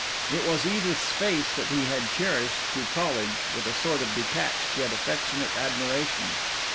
It was Edith's face that he had cherished through college with a sort of detached yet affectionate admiration.